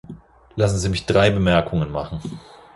Lassen Sie mich drei Bemerkungen machen.